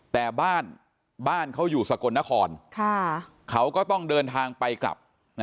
แต่บ้านบ้านเขาอยู่สกลนครเขาก็ต้องเดินทางไปกลับ